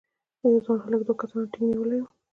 یو ځوان هلک دوه کسانو ټینک نیولی و.